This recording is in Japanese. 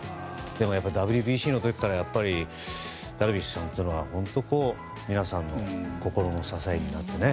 ＷＢＣの時からダルビッシュさんは皆さんの心の支えになってね。